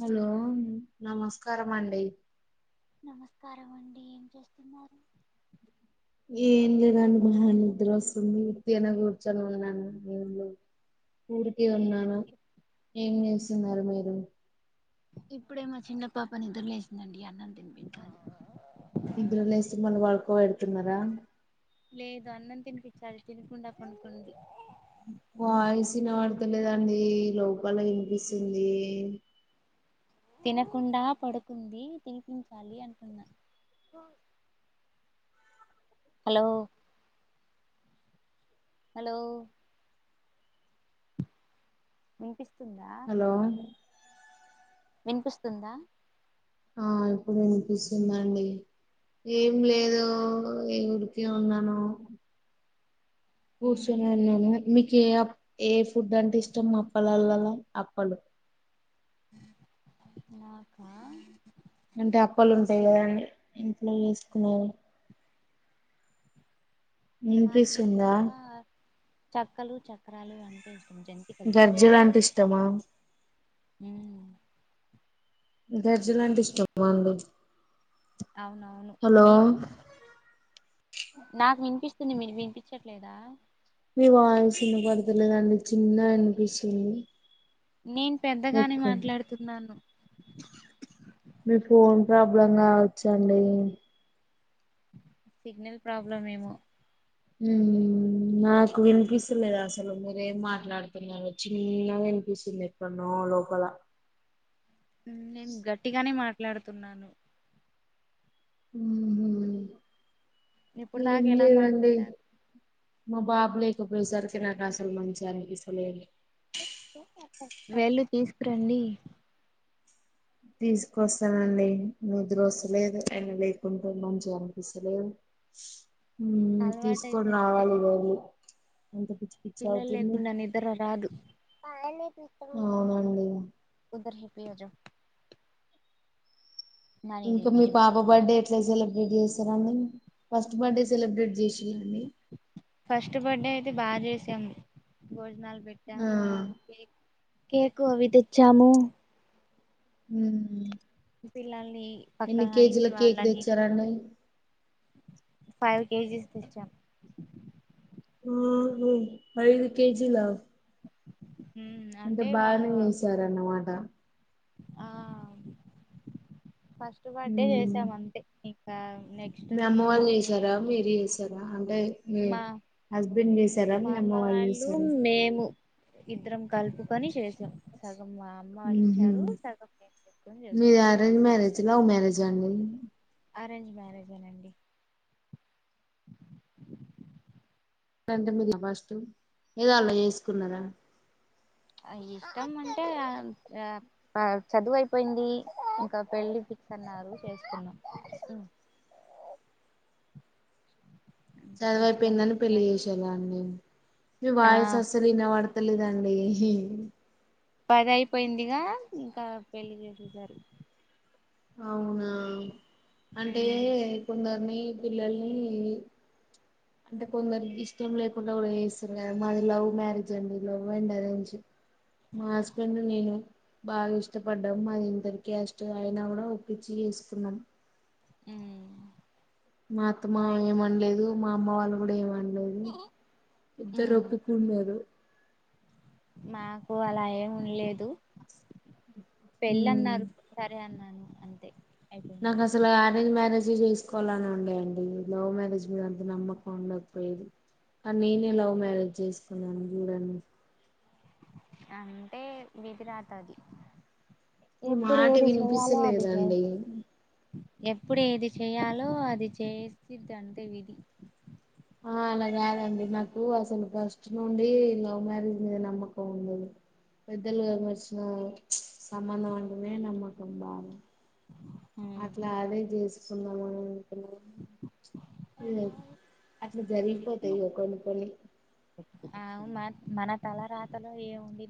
Hello నమస్కారం అండి నమస్కారం అండి ఏం చేస్తున్నారు ఏం లేదండి బాగ నిద్ర వస్తుంది ఉత్తిగనే కూర్చొని ఉన్నాను ఏం లేవు ఊరికే ఉన్నాను ఏం చేస్తున్నారు మీరు ఇప్పుడే మా చిన్న పాప నిద్రలేసిందండి అన్నం తినిపించాలి నిద్ర లేస్తే మళ్ళ పడుకోబెడుతున్నారా లేదు అన్నం తినిపించాలి తినకుండా పండుకుంది వాయిస్ వినపడతలేదండి లోపల వినిపిస్తుంది తినకుండా పడుకుంది తినిపించాలి అంటున్నా హలో హలో వినిపిస్తుందా హలో వినిపిస్తుందా ఆ ఇప్పుడు వినిపిస్తుందండి ఏం లేదు ఏ ఊరికే ఉన్నాను కూర్చొని ఉన్నాను మీకు ఏ ఏ ఫుడ్ అంటే ఇష్టం అప్పలలలా అప్పలు నాకా అంటే అప్పలుంటయి కదండి ఇంట్లో చేసుకునేవి నాకు వినిపిస్తుందా ఎక్కువగా చక్కలు చక్రాలు అంటే ఇష్టం జం గర్జెలాంటె ఇష్టమా హ గర్జెలంటే ఇష్టమా అండి అవునవును హలో మీకు నాకు వినిపిస్తుంది మీరు వినిపించట్లేదా మీ వాయిస్ వినబడతలేదండి చిన్నగ వినిపిస్తుంది నేను పెద్దగానే ఎక్కువ మాట్లాడుతున్నాను మీ ఫోన్ ప్రాబ్లం కావచ్చండి సిగ్నల్ ప్రాబ్లం ఏమో ఉమ్ నాకు వినిపిస్తలేదు అసలు మీరేం మాట్లాడుతు చిన్నగ అనిపిస్తుంది ఎక్కడన్నో లోపల నేను గట్టిగానే మాట్లాడుతున్నాను ఊ ఇప్పుడు ఎం దాకా ఎలా లేదండి మాట్లాడా మా బాబు లేకపోయేసరికి నాకు అసలు మంచిగా [unintelligible] వెళ్ళు తీసుకురండి తీసుకొస్తానండి నిద్రొస్తలేదు అయినా లేకుంటు మంచిగా అనిపిస్తలేదు హ అలవాటైతే తీసుకొని అంతే రావాలి [unintelligible] పిల్లలు అవుతుంది లేకుండ నిద్ర రాదు అవునండి [unintelligible] నాని ఇంక దేతి మీ జో పా బర్త్డే ఎట్ల సెలబ్రేట్ [unintelligible] ఫస్ట్ బర్త్డే సెలబ్రేట్ చేసిరండి ఫస్ట్ బర్త్డే అయితే బాగ చేసాము భోజనాలు పెట్టి ఆ కేక్ కేకు అవి తెచ్చాము హు పిల్లల్ని పక్కన ఇంటి కేక్ వాళ్ళని తెచ్చారండి ఫైవ్ కేజీస్ తెచ్చాం [unintelligible] ఐదు కేజిల ఉమ్ అంటే వాళ్ళ బాగనే చేసారన్నమాట ఆ ఫస్ట్ బర్త్డే మ్మ్. చేసాం అంతే ఇంకా నె మీ అమ్మ వాళ్ళు చేసార మీరు చేసార అంటే మీ మా హస్బెండ్ చేసారా మా మీ అమ్మ వాళ్ళు చేసారా మేము ఇద్దరం కలుపుకొని చేసాం సగం అమ్మ వాళ్ళు ఉహు ఇచ్చారు సగం పెట్కొని చేసుకునామ్ [unintelligible] లవ్ మ్యారేజ అండి అరేంజ్ మ్యారేజే నండి [unintelligible] అలా చేసుకున్నారా ఇష్టం అంటే ఆ చదువు అయిపోయింది ఇంక పెళ్ళి ఫిక్స్ అన్నారు చేస్తున్నాం అంతే ఇష్టం చదివైపోయిందని పెళ్లి చేసీలాండి ఆ విన పడతలేదండి [unintelligible] అయిపోయిందిగా ఇంకా పెళ్లి చేసేసారు అవునా అంటే కొందరిని పిల్లల్ని అంటే కొందరికి ఇష్టం లేకుండా కూడ చేస్తారు కదా మాది లవ్ మ్యారేజ్ అండి లవ్ అండ్ అరేంజ్ మా హస్బెండ్ నేను బాగా ఇష్టపడ్డాము మాది ఇంటర్ క్యాస్ట్ కూడ ఒప్పించి చేసుకున్నామ్ ఊ మా అత్తమ ఏమనలేదు మా అమ్మ వాళ్ళు కూడ ఏమనలేదు ఇద్దరు ఒప్పుకున్నారు మాకు అల ఏంలేదు పెళ్ళి ఉమ్ అన్నారు సరే అన్నాను అంతే అయి నాకు అసలు అరేంజ్ మ్యారేజ్ చేసుకోవాలని ఉండేయండి లవ్ మ్యారేజ్ మీద అంత నమ్మకండకపోయేది ఆ నేనే లవ్ మ్యారేజ్ చేస్తున్నాను చూడండి అంటే విధి రాత అది మీ ఎప్పుడు మాట ఏది చేయాలో అది వినిపిస్తలేదండి చేస్తాం ఎప్పుడు ఏది చేయాలో అది చేసిద్ది అంతే విధి ఆ అలా కాదండి నాకు అసలు ఫస్ట్ నుండి లవ్ మ్యారేజ్ మీద నమ్మకం ఉండదు పెద్దలు తెచ్చిన సంబంధం అంటేనే నమ్మకం బాగా అట్లా అదే చేసుకుందాము అట్ల జరిపుపోతయి కొన్ని కొన్ని ఆ మ మన తల రాతలో ఏముంది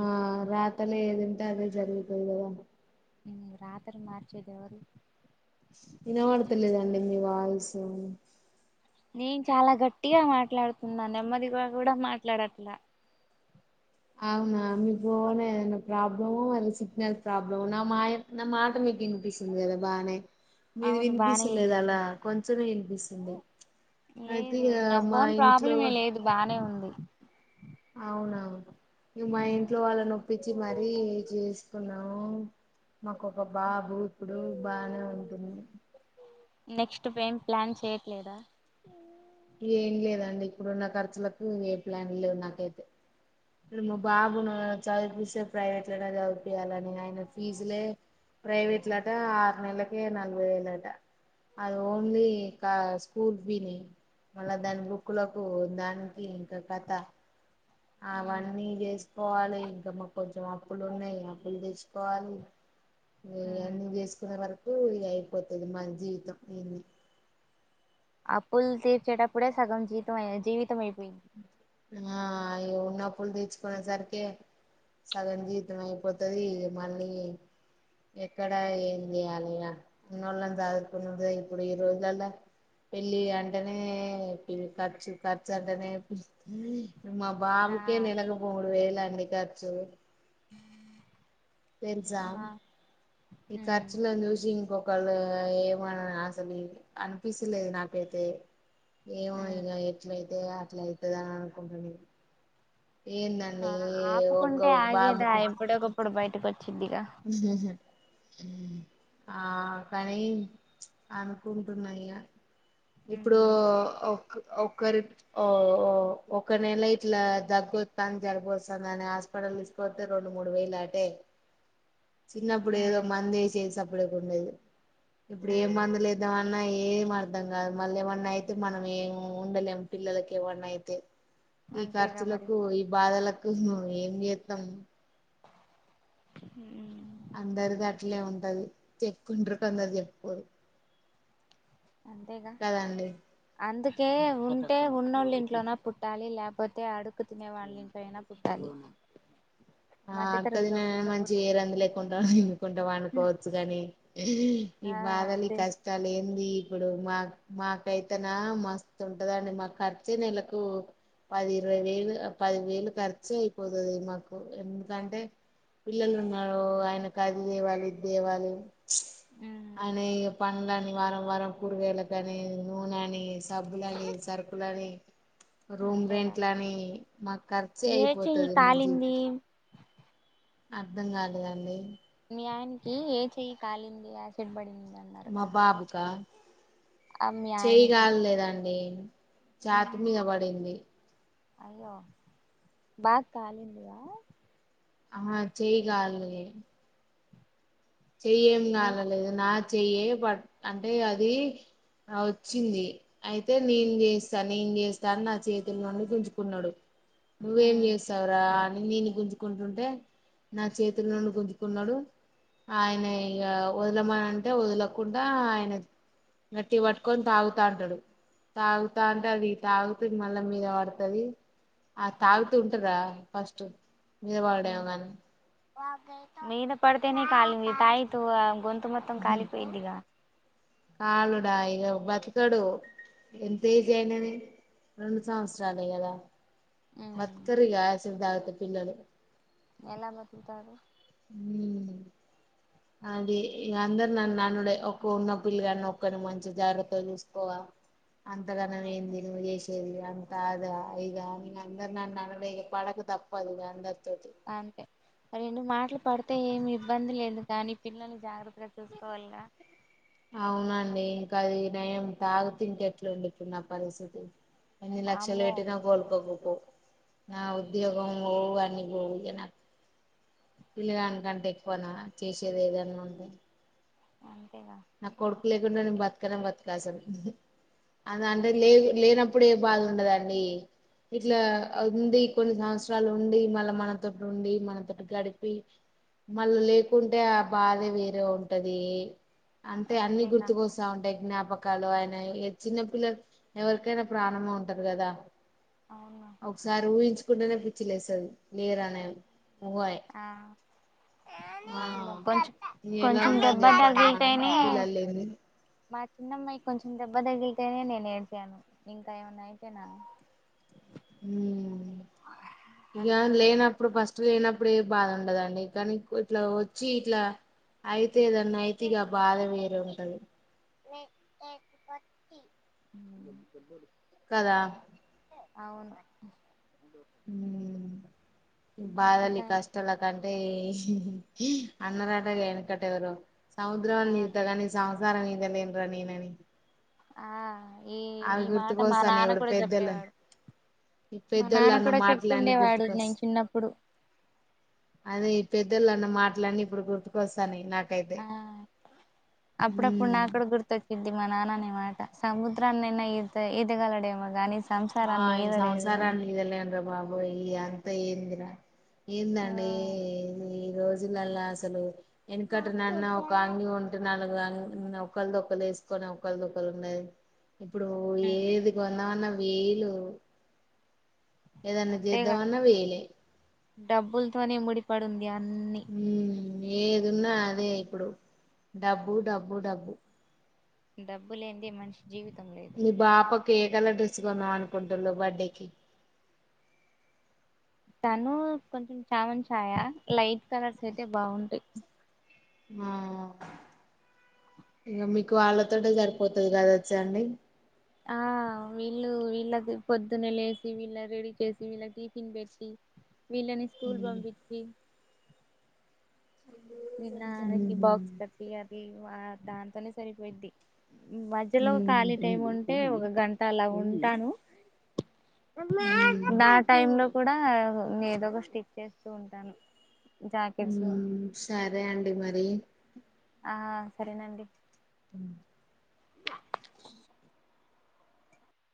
ఆ రాతలు ఎందుంటే అదే జరుగుతంది కదా మ్మ్ రాతని మార్చేది ఎవరు వినబడతలేదండి మీ వాయిసు నేను చాలా గట్టిగా మాట్లాడుతున్నా నెమ్మదిగా కూడా మాట్లాడట్లా అవునా మీ ఫోన్ ఏమన ప్రాబ్లమో అది సిగ్నల్ ప్రాబ్లమో నా మాయ నా మాట మీకు ఇనిపిస్తుంది కదా బానే మీది అవును బానే వినిపించలేదు అలా వినిపిస్తుంది కొంచమే వినిపిస్తుంది అయితే లేదు ఇగ నా మా ఫోన్ ఇంట్లో ప్రాబ్లమే లేదు బానే ఉంది అవునవును నువ్ మా ఇంట్లో వాళ్ళ నొప్పిచ్చి మరీ చేసుకున్నాము మాకు ఒక బాబు ఇప్పుడు బానే ఉంటుంది నెక్స్ట్ ఏం ప్లాన్ చేయట్లేదా ఏం లేదండి ఇప్పుడున్న ఖర్చులకు ఏ ప్లాన్ లేవు నాకైతే ఇప్పుడు మా బాబును చదిపిస్తే ప్రైవేట్ లోనే చదిపియాలని ఆయన ఫీజులే ప్రైవేట్లట ఆరు నెల్లకే నలభై వేలట అది ఓన్లీ స్కూల్ ఫీనే మళ్ళా దాని బుక్కులకు దానికి ఇంకా కథ అవన్నీ చేస్ పోవాలి ఇంకా మా కొంచెం అప్పులు ఉన్నాయి అప్పులు తీసుకోవాలి వన్నీ చేసుకునే వరకు ఇ అయిపోతది మన జీవితం ఇన్ని అప్పులు తీర్చేటప్పుడే సగం జీవితం జీవితం అయిపోయింది ఆ అయ ఉన్నప్పులు తీచ్చుకునే సరికే సగం జీవితం అయిపోతది ఇగ మళ్ళీ ఎక్కడ ఏం చేయాల ఇగ ఉన్నోళ్లని జగుకున్నుడు ఇప్పుడు ఈ రోజులలో పెళ్ళి అంటనే పెల్ ఖర్చు ఖర్చు అంటనే మా ఆ బాబుకే నెలకు మూడు వేలండి ఖర్చు తెలుసా మా ఈ ఖర్చులో చూసి ఇంకో వాళ్ళు ఏమో అసలి అనిపించలేదు నాకైతే ఏమో ఇక ఎట్లయితే అట్లయితది అని అనుకుంటా నేను ఆపుకుంటే ఆగేదా బాబుకు ఎప్పుడకప్పుడు బయటకు వచ్చిద్దిగా హహు ఆ కానీ అనుకుంటున్న ఇగ ఇప్పుడు ఉమ్ ఒక ఒకరి ఓఓ ఒక నెల ఇట్లా దగ్గు వొస్తుంది జలుబు వస్తుందనీ పడలిసిపోతే రెండు మూడు వేలటే అయిత చిన్నప్పుడు ఏదో మందుసేసప్పుడే ఉండేది ఇప్పుడు ఏ ఉమ్ మందు లేదాం న్నా ఏం అర్ధం కాదు మళ్ళీ ఏమన్నా అయితే మనం ఏం ఉండలేం పిల్లలకి ఏమన్నా అయితే ఈ అంతేగా మరి ఖర్చులకు ఈ బాధలకు ఏం చేస్తాం ఊ అందరిది అట్లే ఉంటది చెప్పుకుంటారు కొందరు చెప్పుకోరు అంతేగా కదండి అందుకే ఉంటే ఉన్నోళ్ళు ఇంట్లోన పుట్టాలి లేకపోతే అడుకు తినే వాళ్ళని ఇంట్లయినా పుట్టాలి ఆ మధ్య అడకది తరగతిలో మంచి పుట్టకూడదు ఏ రంజి లేకుండా ఎన్నుకుంటాం వండుకోవచ్చు కాని ఈ ఆ బాధలి ఇదే కస్ లేంది ఇప్పుడు మా మాకైతేనా మస్తు ఉంటందండి మాకు ఖర్చే నెలకు పది ఇరవై వేలు పదివేలు ఖర్చ అయిపోతది మాకు ఎందుకంటే పిల్లలు ఉన్నారు ఆయనకు అది దేవాలి ఇది తేవాలి ఉమ్ అని పనులని వారం వారం కురుగాల కనీ నూనని డబ్బులని సరుకులని రూమ్ అంతేగా రెంట్ లని మాకు ఖర్చే ఏ చెయ్యి అయిపోతది మా జీవ కాలింది అర్ధం కాలేదండి మీయానికి ఏ చెయ్యి కాలింది యాసిడ్ పడిందం మా బాబుకా ఆ మీ చేయి ఆయనకి గలలేదండి చతి మీద పడింది అయ్యో బాగా కాలిందివ ఆహ చేయి గలీ చెయ్యం మీ కాలలేదు నాక్ చెయ్య పట్ అంటే అది వచ్చింది అయితే నేను చేస్తాను నేం చేస్తా అని నా చేతుల నుండి గుంజుకున్నాడు నువ్వేం చేస్తావరా అని నేను గుంచు కుంటుంటే నా చేతుల నుండి గుంజుకున్నాడు ఆయన ఇక వదలమంటే వదలకుండా ఆయన గట్టిగ వట్కొని తాగుతా అంటాడు తాగుతా అంటే అది తాగుతె మళ్ళ మీద పడుతది ఆ తాగుతూ ఉంటార ఫస్ట్ మీద వడుడేమ కాని మీద పడితేనే కాలీంది తాయితు ఆ గొంతు మొత్తం ఖాలిపోయిందిగా కాలుడా ఇగ బతుకడు ఎంత ఏజీ అయినది రెండు సంవత్సరాలే కదా బత్కరిగా ఆసీడ్ దగతె పిల్లలు ఎలా బతుకుతారు ఊ అది ఇక అందరు నన్ను ననుడే ఒక్క ఉన్న పిలకాని ఒక్కని మంచి జాగ్రత్త చూసుకోవా అంతగనం ఏంది నువ్ యష్ ఏది అంత అద ఇద ఇగ అందరు ననుడే పడక తప్పదు ఇగ అందరి తోటి అంతే రెండు మాటలు పడితే ఏమి ఇబ్బంది లేదు కానీ పిల్లల్ని జాగ్రత్తగా చూసుకోవాలిగా అవునండి ఇంకా అది నయం తాగుతి ఇంక ఎట్లుండిప్పుడు నా పరిస్థితి ఎన్ని లక్షలు వామ్మో పెట్టినా కోల్పోకపో నా ఉద్యోగం పోవు అని పోవు ఇగ నాకు పిలగానికంటే ఎక్కువనా చేసేది ఏదన్నా ఉంటె అంతేగా నాకు కొడుకు లేకుండా ని బతకన బతుకసలు అద అంటే లే లేనప్పుడే బాధ ఉండదండి ఇట్లా అంతే ఉంది కొన్ని సంవత్సరాలు ఉండి మళ్ళ మన తోటి ఉండి మనతోటి గడిపి మళ్ళ లేకుంటే ఆ బాధే వేరే ఉంటది అంటే అన్ని అంతేగా గుర్తుకొస్తా ఉంటయి జ్ఞాపకాలు అయినా చిన్న పిల్లలు ఎవరికైనా ప్రాణమే ఉంటది కదా అవునా ఒకసారి ఊహించుకుంటేనే పిచ్చి లేస్తుది నీరు అనేది ఆ ఆ కొంచం కొంచెం దెబ్బ తగిలితేనే అ మా చిన్నమ్మాయికి కొంచెం దెబ్బ తగిలితేనే నేను ఏడ్చాను ఇంకా ఏమన్నా అయితే నా ఉం ఇగ తట్టుకోలేం లేనపు ఇప్పుడు ఫస్ట్ లేనప్పుడే బాధ ఉండదండి కానీ ఇట్లా వచ్చి ఇట్లా అయితే ఏదన్న అయితే ఇగ బాధ వేరే ఉంటది బ కదా అవును ఉం బాధలు ఇ ఇంకా కష్టలు తే అంటే అన్నరాటగా వెనకట్ట ఎవరో ఆ సముద్రలు ఇదుతగాని సంసారం ఇదాలేన్ర నేనని ఆ ఈ అవి ఈ మాట మా గుర్తుకొస్తాను నాన్న ఇప్పుడు కూడా పెద్దలు చెప్పేవాడు ఈ మా పెద్దోళ్ళు నాన్న అన్న కూడా మాటలన్నీ చెప్తుండేవాడు నేను గుర్తుకొస్తా చిన్నప్పుడు అదే యి పెద్దొళ్ళు అన్న మాటలన్నీ ఇప్పుడు గుర్తుకొస్తానయి న ఆ అప్పుడప్పుడు ఉమ్ నాక్కూడ గుర్తొచ్చ ఇది మా నాన్న అనే మాట సముద్రానైనా ఇత ఈదగలడేమో గానీ ఆ ఈ సంసారాన్ని ఈదలెండ్రా బబు ఒ యి అంత ఏందిరా ఏందండి ఈ ఈ రోజులల్ల అసలు వెనకటన్న ఒక అంగి కొ నాలుగు అంగి ఒకళదొరు ఎసుకొని ఒకళ్దొ ఉన్నాది ఇప్పుడు ఏది కొందమన్నా వేలు ఏదన్నా అంతేగా చేద్దామన్న వేలే డబ్బులతోనే ముడిపడుంది అన్ని ఉం ఏదున్నా అదే ఇప్పుడు డబ్బు డబ్బు డబ్బు డబ్బు లేంది మనిషి జీవితం లేదు మీ బాపకు ఎ కలర్ డ్రెస్ కొందం అనుకుంటున్నాలు బర్త్డేకి తను కొంచెం చామన్ చాయా లైట్ కలర్స్ అయితే బాగుంటాయి ఉం ఇగ మీకు వాళ్ళతోటె సరిపోతది కదండీ ఆ వీళ్ళు వీళ్ళకి పొద్దున్నే లేపి వీళ్ళను రెడీ చేసి వీళ్ళ టిఫిన్ పెట్టి వీళ్ళని స్కూల్ పంపించి వినానికి బాక్స్ కట్టి అది ఆ దాంతోనే సరిపోయిద్ది మధ్యలో ఖాళీ టైం ఉంటే ఒక గంట అలా ఉంటాను నా టైం లో కూడా నేను ఏదో ఒక స్టిచ్ చేస్తూ ఉంటాను జాకెట్సు సరే అండి మరి ఆ సరేనండి మ్మ్